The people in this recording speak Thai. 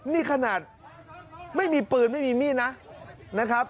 นี่ขนาดไม่มีปืนไม่มีมีดนะนะครับ